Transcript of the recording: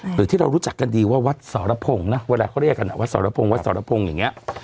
หรือที่เรารู้จักกันดีว่าวัดสรพงศ์นะเวลาเขาเรียกกันวัดสรพงศ์วัดสรพงศ์อย่างนี้